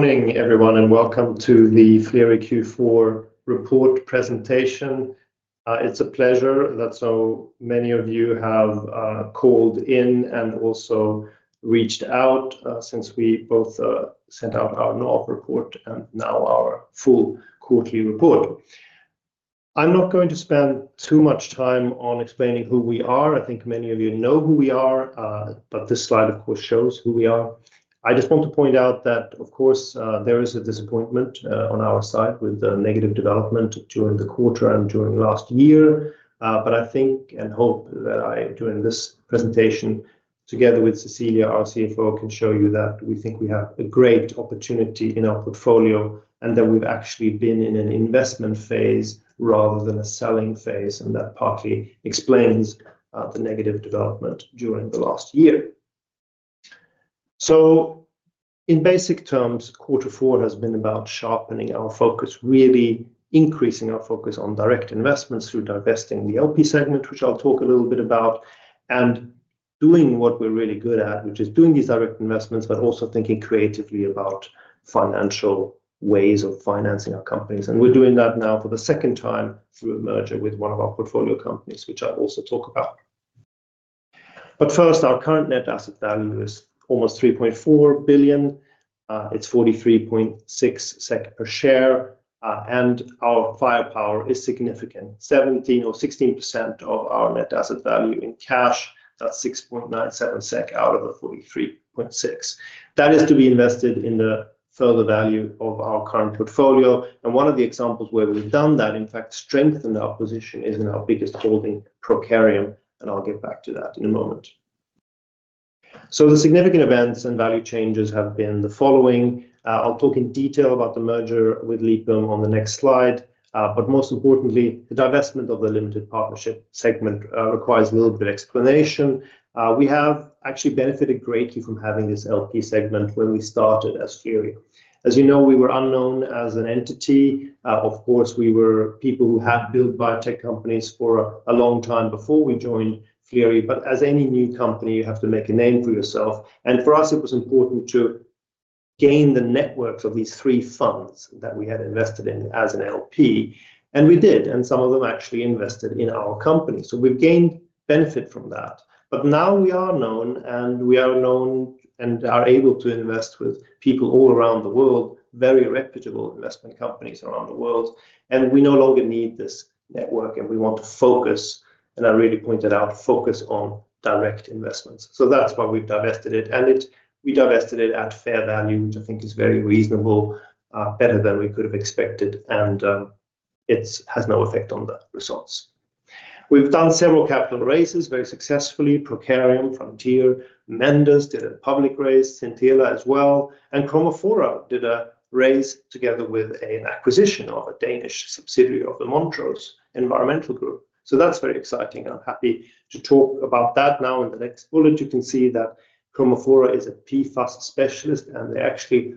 Good morning, everyone, and welcome to the Flerie Q4 report presentation. It's a pleasure that so many of you have called in and also reached out since we both sent out our NAV report and now our full quarterly report. I'm not going to spend too much time on explaining who we are. I think many of you know who we are, but this slide, of course, shows who we are. I just want to point out that, of course, there is a disappointment on our side with the negative development during the quarter and during last year. But I think and hope that I, during this presentation, together with Cecilia, our CFO, can show you that we think we have a great opportunity in our portfolio and that we've actually been in an investment phase rather than a selling phase. That partly explains the negative development during the last year. In basic terms, Q4 has been about sharpening our focus, really increasing our focus on direct investments through divesting the LP segment, which I'll talk a little bit about, and doing what we're really good at, which is doing these direct investments, but also thinking creatively about financial ways of financing our companies. We're doing that now for the second time through a merger with one of our portfolio companies, which I'll also talk about. First, our current net asset value is almost 3.4 billion. It's 43.6 SEK per share. And our firepower is significant: 17% or 16% of our net asset value in cash. That's 6.97 SEK out of the 43.6. That is to be invested in the further value of our current portfolio. And one of the examples where we've done that, in fact, strengthened our position, is in our biggest holding, Prokarium. And I'll get back to that in a moment. So, the significant events and value changes have been the following. I'll talk in detail about the merger with Lipum on the next slide. But most importantly, the divestment of the limited partnership segment requires a little bit of explanation. We have actually benefited greatly from having this LP segment when we started as Flerie. As you know, we were unknown as an entity. Of course, we were people who had built biotech companies for a long time before we joined Flerie. But as any new company, you have to make a name for yourself. And for us, it was important to gain the networks of these three funds that we had invested in as an LP. And we did. And some of them actually invested in our company. So, we've gained benefit from that. But now we are known and are able to invest with people all around the world, very reputable investment companies around the world. And we no longer need this network. And we want to focus, and I really pointed out, focus on direct investments. So, that's why we've divested it. And we divested it at fair value, which I think is very reasonable, better than we could have expected. And it has no effect on the results. We've done several capital raises very successfully: Prokarium, Frontier, Mendus did a public raise, Xintela as well, and Chromafora did a raise together with an acquisition of a Danish subsidiary of the Montrose Environmental Group. So, that's very exciting. I'm happy to talk about that now. In the next bullet, you can see that Chromafora is a PFAS specialist. They actually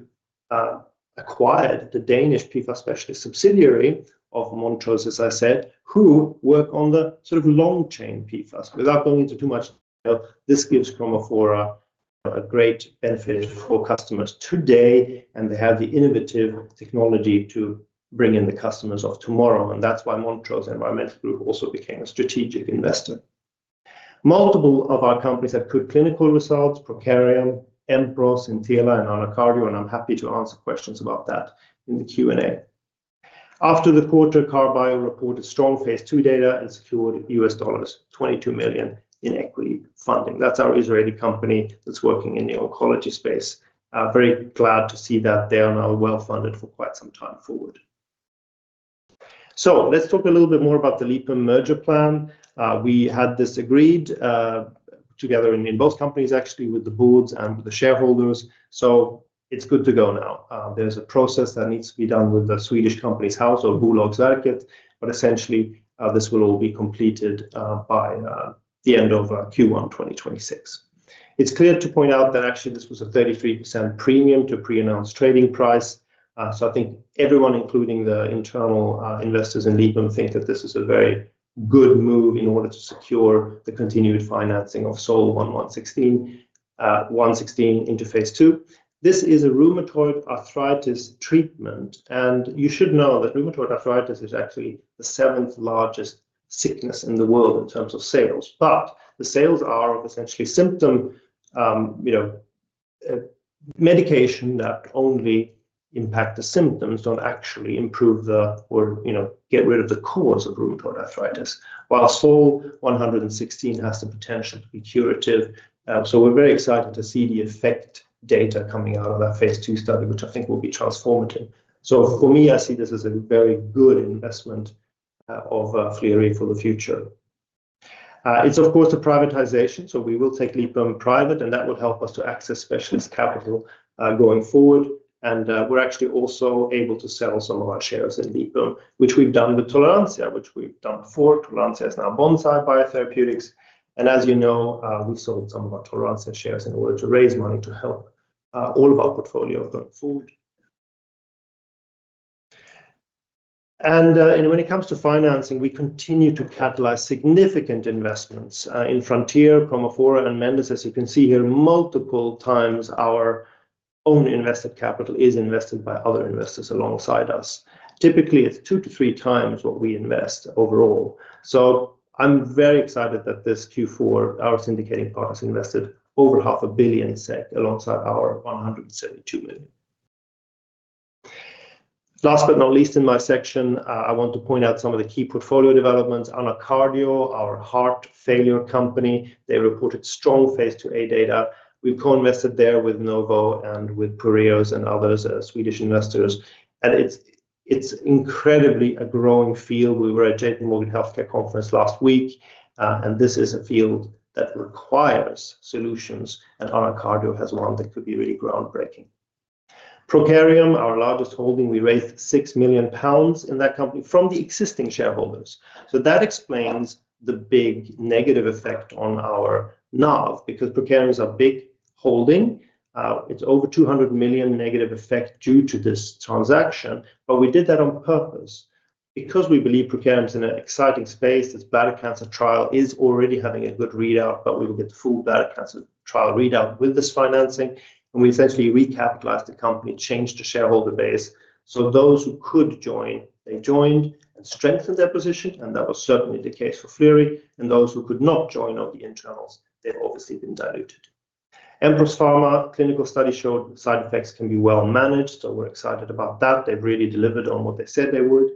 acquired the Danish PFAS specialist subsidiary of Montrose, as I said, who work on the sort of long-chain PFAS. Without going into too much detail, this gives Chromafora a great benefit for customers today. They have the innovative technology to bring in the customers of tomorrow. That's why Montrose Environmental Group also became a strategic investor. Multiple of our companies have good clinical results: Prokarium, Empros, Xintela, and AnaCardio. I'm happy to answer questions about that in the Q&A. After the quarter, KAHR Bio reported strong phase II data and secured $22 million in equity funding. That's our Israeli company that's working in the oncology space. Very glad to see that they are now well funded for quite some time forward. Let's talk a little bit more about the Lipum merger plan. We had this agreed together in both companies, actually, with the boards and with the shareholders. It's good to go now. There's a process that needs to be done with the Swedish Companies House, or Bolagsverket. But essentially, this will all be completed by the end of Q1 2026. It's clear to point out that actually this was a 33% premium to pre-announced trading price. I think everyone, including the internal investors in Lipum, thinks that this is a very good move in order to secure the continued financing of SOL-116 into phase two. This is a rheumatoid arthritis treatment. You should know that rheumatoid arthritis is actually the seventh largest sickness in the world in terms of sales. But the sales are of essentially symptom medication that only impact the symptoms, don't actually improve the, or get rid of the cause of rheumatoid arthritis. While SOL-116 has the potential to be curative, so we're very excited to see the effect data coming out of that phase II study, which I think will be transformative so for me, I see this as a very good investment of Flerie for the future. It's, of course, the privatization so we will take Lipum private. And that would help us to access specialist capital going forward. And we're actually also able to sell some of our shares in Lipum, which we've done with Toleranzia, which we've done before. Toleranzia is now Bonsai Biotherapeutics. And as you know, we sold some of our Toleranzia shares in order to raise money to help all of our portfolio of [good food]. When it comes to financing, we continue to catalyze significant investments in Frontier, Chromafora, and Mendus. As you can see here, multiple times our own invested capital is invested by other investors alongside us. Typically, it's two to three times what we invest overall. So, I'm very excited that this Q4, our syndicating partners invested over 500 million SEK alongside our 172 million. Last but not least, in my section, I want to point out some of the key portfolio developments. AnaCardio, our heart failure company, they reported strong phase II-A data. We co-invested there with Novo and with Eir Ventures and others, Swedish investors. It's incredibly a growing field. We were at JPMorgan Healthcare Conference last week. This is a field that requires solutions. AnaCardio has one that could be really groundbreaking. Prokarium, our largest holding, we raised 6 million pounds in that company from the existing shareholders. That explains the big negative effect on our NAV, because Prokarium is a big holding. It's over 200 million negative effect due to this transaction. We did that on purpose, because we believe Prokarium is in an exciting space. This bladder cancer trial is already having a good readout, but we will get full bladder cancer trial readout with this financing. We essentially recapitalized the company, changed the shareholder base. Those who could join, they joined and strengthened their position. That was certainly the case for Flerie. Those who could not join on the internals, they've obviously been diluted. Empros Pharma, clinical study showed side effects can be well managed. We're excited about that. They've really delivered on what they said they would.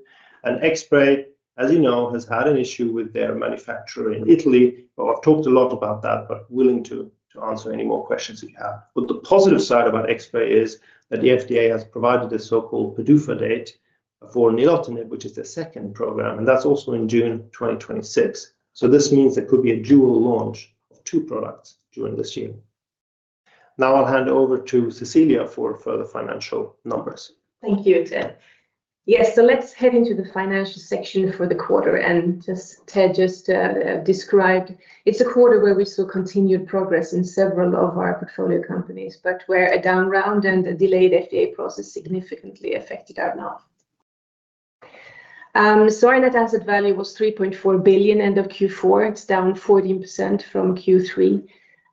Xspray, as you know, has had an issue with their manufacturer in Italy. But I've talked a lot about that, but willing to answer any more questions if you have. But the positive side about Xspray is that the FDA has provided a so-called PDUFA date for nilotinib, which is the second program. And that's also in June 2026. So, this means there could be a dual launch of two products during this year. Now I'll hand over to Cecilia for further financial numbers. Thank you, Ted. Yes, so let's head into the financial section for the quarter. Just as Ted just described, it is a quarter where we saw continued progress in several of our portfolio companies, but where a down round and a delayed FDA process significantly affected our NAV. Our net asset value was 3.4 billion end of Q4. It is down 14% from Q3.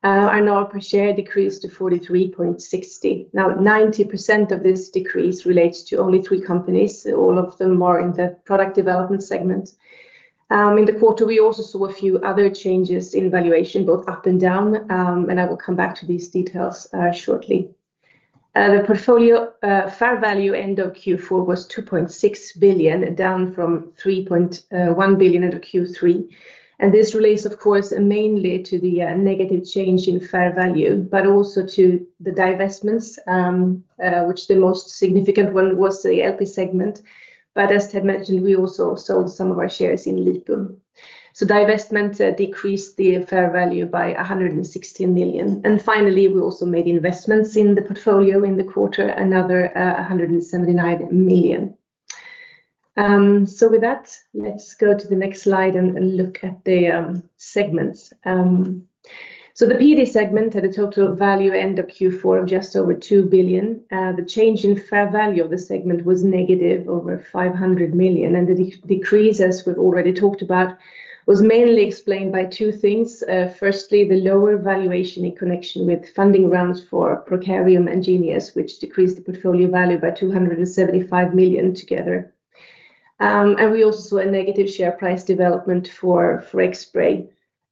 Our NAV per share decreased to 43.60. Now, 90% of this decrease relates to only three companies. All of them are in the product development segment. In the quarter, we also saw a few other changes in valuation, both up and down. I will come back to these details shortly. The portfolio fair value end of Q4 was 2.6 billion, down from 3.1 billion end of Q3. This relates, of course, mainly to the negative change in fair value, but also to the divestments, which the most significant one was the LP segment. As Ted mentioned, we also sold some of our shares in Lipum. Divestment decreased the fair value by 116 million. Finally, we also made investments in the portfolio in the quarter, another 179 million. With that, let's go to the next slide and look at the segments. The PD segment had a total value end of Q4 of just over 2 billion. The change in fair value of the segment was negative over 500 million. The decrease, as we've already talked about, was mainly explained by two things. Firstly, the lower valuation in connection with funding rounds for Prokarium and Geneos, which decreased the portfolio value by 275 million together. We also saw a negative share price development for Xspray,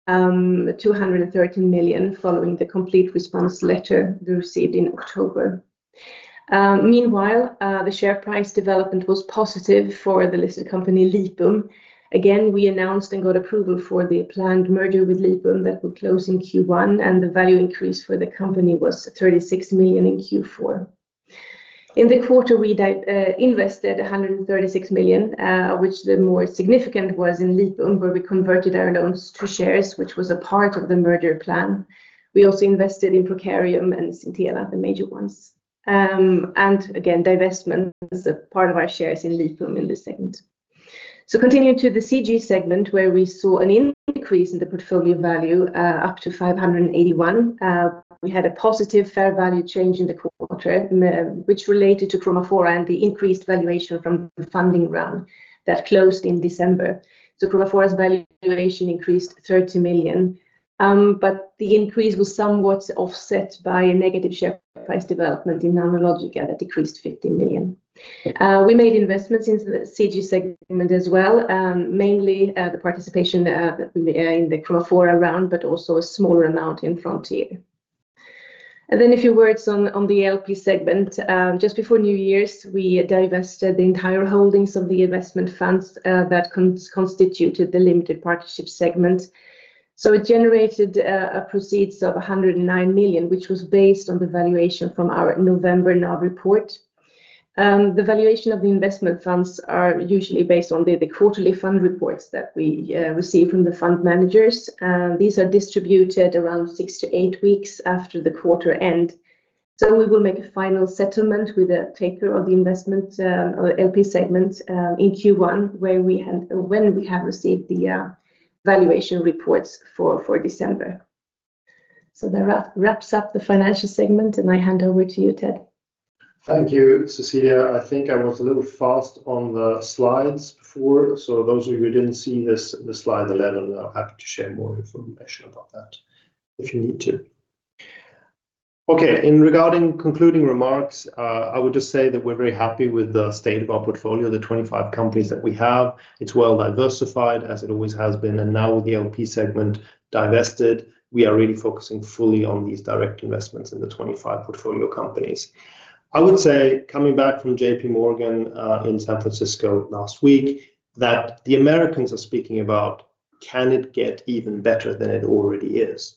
213 million, following the complete response letter we received in October. Meanwhile, the share price development was positive for the listed company Lipum. Again, we announced and got approval for the planned merger with Lipum that will close in Q1. And the value increase for the company was 36 million in Q4. In the quarter, we invested 136 million, of which the more significant was in Lipum, where we converted our loans to shares, which was a part of the merger plan. We also invested in Prokarium and Xintela, the major ones. And again, divestments are part of our shares in Lipum in this segment. So, continuing to the CG segment, where we saw an increase in the portfolio value up to 581. We had a positive fair value change in the quarter, which related to Chromafora and the increased valuation from the funding round that closed in December, so Chromafora's valuation increased 30 million. But the increase was somewhat offset by a negative share price development in Nanologica that decreased 15 million. We made investments in the CG segment as well, mainly the participation in the Chromafora round, but also a smaller amount in Frontier, and then a few words on the LP segment. Just before New Year's, we divested the entire holdings of the investment funds that constituted the limited partnership segment, so it generated proceeds of 109 million, which was based on the valuation from our November NAV report. The valuation of the investment funds is usually based on the quarterly fund reports that we receive from the fund managers. And these are distributed around six to eight weeks after the quarter end. So, we will make a final settlement with the stakeholder of the investment, LP segment, in Q1, when we have received the valuation reports for December. So, that wraps up the financial segment. And I hand over to you, Ted. Thank you, Cecilia. I think I was a little fast on the slides before. So, those of you who didn't see the slide 11, I'm happy to share more information about that if you need to. Okay, regarding concluding remarks, I would just say that we're very happy with the state of our portfolio, the 25 companies that we have. It's well diversified, as it always has been. And now with the LP segment divested, we are really focusing fully on these direct investments in the 25 portfolio companies. I would say, coming back from JPMorgan in San Francisco last week, that the Americans are speaking about, can it get even better than it already is?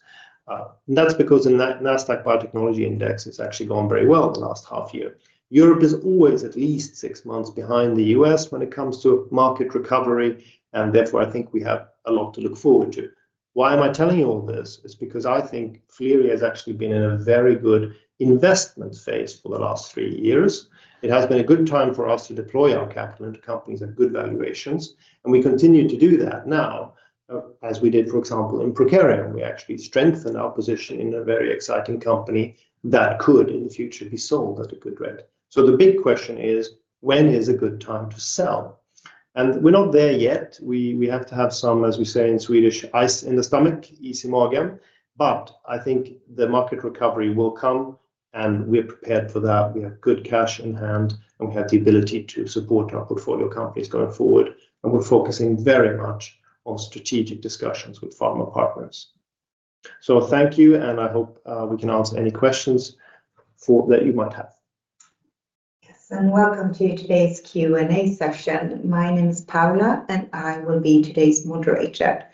And that's because the Nasdaq Biotechnology Index has actually gone very well in the last half year. Europe is always at least six months behind the U.S. when it comes to market recovery. And therefore, I think we have a lot to look forward to. Why am I telling you all this? It's because I think Flerie has actually been in a very good investment phase for the last three years. It has been a good time for us to deploy our capital into companies at good valuations. And we continue to do that now, as we did, for example, in Prokarium. We actually strengthened our position in a very exciting company that could, in the future, be sold at a good return. So, the big question is, when is a good time to sell? And we're not there yet. We have to have some, as we say in Swedish, ice in the stomach, is i magen. But I think the market recovery will come. And we're prepared for that. We have good cash in hand. And we have the ability to support our portfolio companies going forward. And we're focusing very much on strategic discussions with pharma partners. So, thank you. And I hope we can answer any questions that you might have. Yes, and welcome to today's Q&A session. My name is Paula, and I will be today's moderator.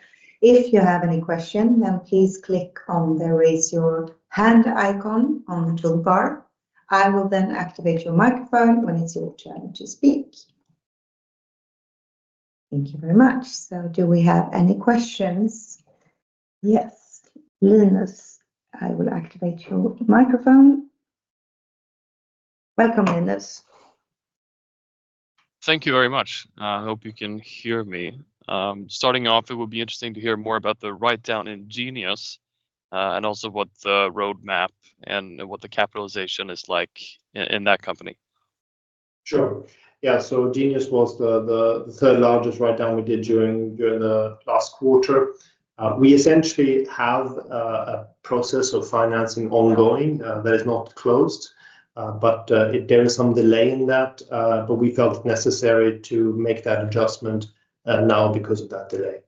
If you have any question, then please click on the raise your hand icon on the toolbar. I will then activate your microphone when it's your turn to speak. Thank you very much. So, do we have any questions? Yes, Linus, I will activate your microphone. Welcome, Linus. Thank you very much. I hope you can hear me. Starting off, it would be interesting to hear more about the write-down in Geneos and also what the roadmap and what the capitalization is like in that company. Sure. Yeah, so Geneos was the third largest write-down we did during the last quarter. We essentially have a process of financing ongoing that is not closed. But there is some delay in that. But we felt it necessary to make that adjustment now because of that delay.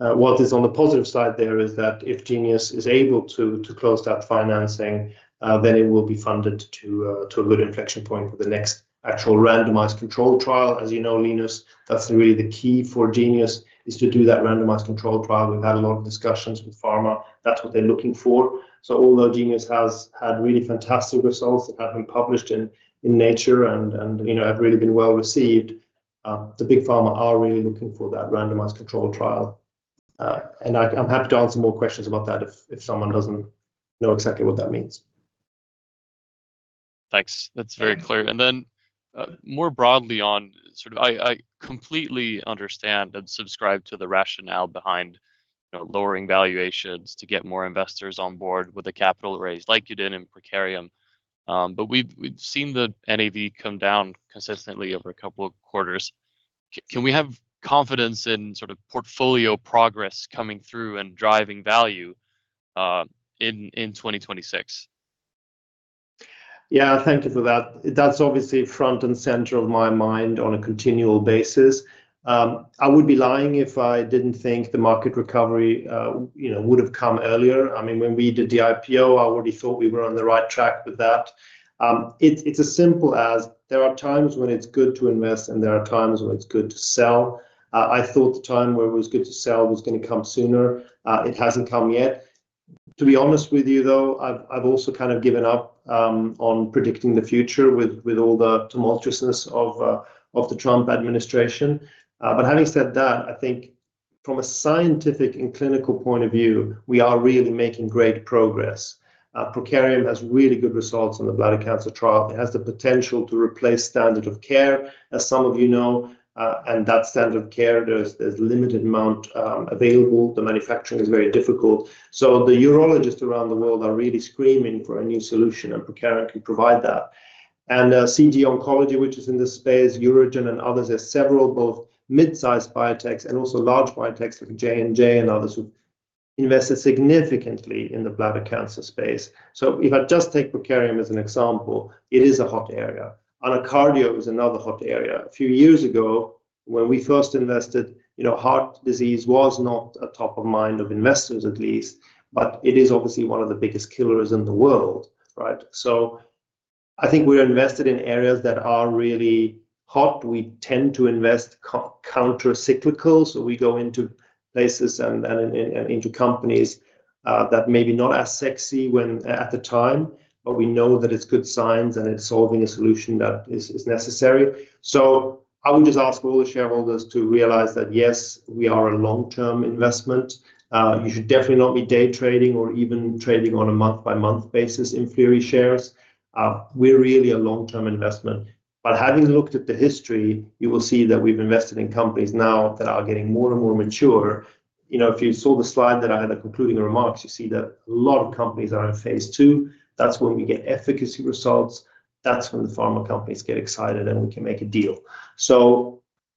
What is on the positive side there is that if Geneos is able to close that financing, then it will be funded to a good inflection point for the next actual randomized control trial. As you know, Linus, that's really the key for Geneos is to do that randomized control trial. We've had a lot of discussions with pharma. That's what they're looking for. So, although Geneos has had really fantastic results that have been published in Nature and have really been well received, the big pharma are really looking for that randomized control trial. I'm happy to answer more questions about that if someone doesn't know exactly what that means. Thanks. That's very clear. And then more broadly on, sort of I completely understand and subscribe to the rationale behind lowering valuations to get more investors on board with a capital raise like you did in Prokarium. But we've seen the NAV come down consistently over a couple of quarters. Can we have confidence in sort of portfolio progress coming through and driving value in 2026? Yeah, thank you for that. That's obviously front and center of my mind on a continual basis. I would be lying if I didn't think the market recovery would have come earlier. I mean, when we did the IPO, I already thought we were on the right track with that. It's as simple as there are times when it's good to invest, and there are times when it's good to sell. I thought the time where it was good to sell was going to come sooner. It hasn't come yet. To be honest with you, though, I've also kind of given up on predicting the future with all the tumultuousness of the Trump administration. But having said that, I think from a scientific and clinical point of view, we are really making great progress. Prokarium has really good results on the bladder cancer trial. It has the potential to replace standard of care, as some of you know, and that standard of care, there's a limited amount available. The manufacturing is very difficult, so the urologists around the world are really screaming for a new solution, and Prokarium can provide that, and CG Oncology, which is in this space, UroGen and others, there's several both mid-sized biotechs and also large biotechs like J&J and others who've invested significantly in the bladder cancer space, so if I just take Prokarium as an example, it is a hot area. AnaCardio is another hot area. A few years ago, when we first invested, heart disease was not a top of mind of investors, at least, but it is obviously one of the biggest killers in the world, right, so I think we're invested in areas that are really hot. We tend to invest countercyclical. We go into places and into companies that may be not as sexy at the time. But we know that it's good signs, and it's solving a solution that is necessary. I would just ask all the shareholders to realize that, yes, we are a long-term investment. You should definitely not be day trading or even trading on a month-by-month basis in Flerie shares. We're really a long-term investment. But having looked at the history, you will see that we've invested in companies now that are getting more and more mature. If you saw the slide that I had at concluding remarks, you see that a lot of companies are in phase II. That's when we get efficacy results. That's when the pharma companies get excited, and we can make a deal.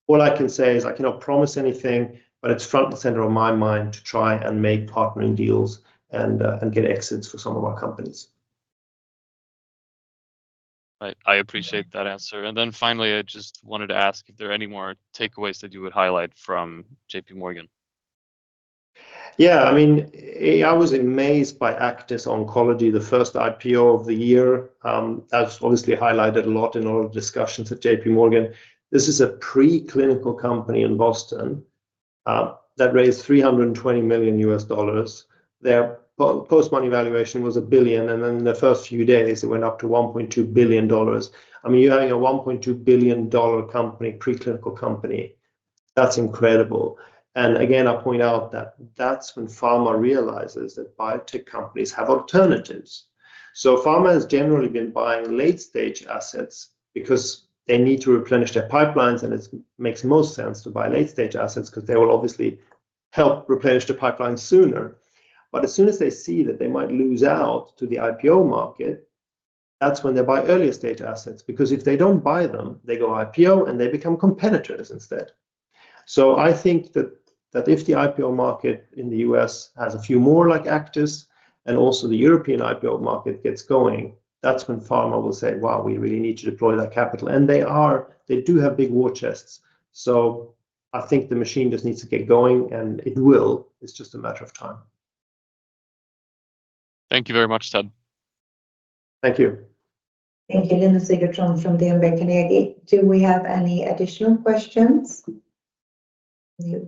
What I can say is I cannot promise anything. But it's front and center of my mind to try and make partnering deals and get exits for some of our companies. I appreciate that answer, and then finally, I just wanted to ask if there are any more takeaways that you would highlight from JPMorgan. Yeah, I mean, I was amazed by Aktis Oncology, the first IPO of the year. That's obviously highlighted a lot in all the discussions at JPMorgan. This is a preclinical company in Boston that raised $320 million. Their post-money valuation was $1 billion. And in the first few days, it went up to $1.2 billion. I mean, you're having a $1.2 billion company, preclinical company. That's incredible. And again, I point out that that's when pharma realizes that biotech companies have alternatives. So, pharma has generally been buying late-stage assets because they need to replenish their pipelines. And it makes most sense to buy late-stage assets because they will obviously help replenish the pipeline sooner. But as soon as they see that they might lose out to the IPO market, that's when they buy earlier stage assets. Because if they don't buy them, they go IPO, and they become competitors instead. So, I think that if the IPO market in the U.S. has a few more like Aktis and also the European IPO market gets going, that's when pharma will say, wow, we really need to deploy that capital. And they do have big war chests. So, I think the machine just needs to get going. And it will. It's just a matter of time. Thank you very much, Ted. Thank you. Thank you, Linus Sigurdson from DNB Carnegie. Do we have any additional questions? No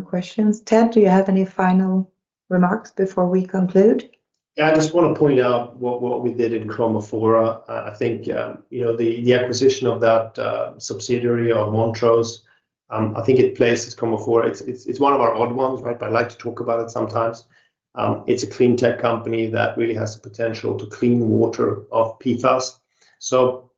questions. Ted, do you have any final remarks before we conclude? Yeah, I just want to point out what we did in Chromafora. I think the acquisition of that subsidiary of Montrose, I think it places Chromafora. It's one of our odd ones, right? But I like to talk about it sometimes. It's a clean tech company that really has the potential to clean water off PFAS. So,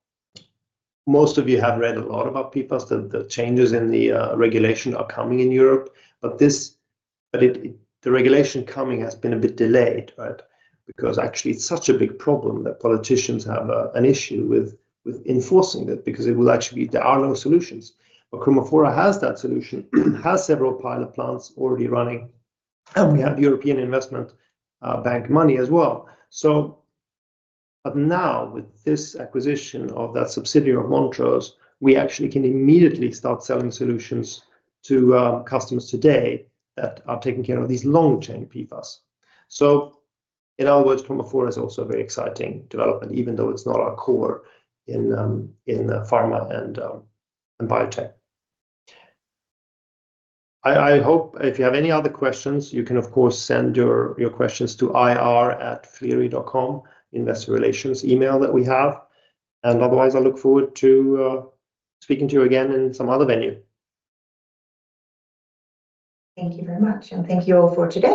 most of you have read a lot about PFAS. The changes in the regulation are coming in Europe. But the regulation coming has been a bit delayed, right? Because actually, it's such a big problem that politicians have an issue with enforcing that because it will actually be there are no solutions. But Chromafora has that solution, has several pilot plants already running. And we have European investment bank money as well. So, but now with this acquisition of that subsidiary of Montrose, we actually can immediately start selling solutions to customers today that are taking care of these long-chain PFAS. So, in other words, Chromafora is also a very exciting development, even though it's not our core in pharma and biotech. I hope if you have any other questions, you can, of course, send your questions to ir@flerie.com, investor relations email that we have. And otherwise, I look forward to speaking to you again in some other venue. Thank you very much, and thank you all for today.